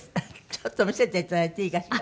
ちょっと見せていただいていいかしら？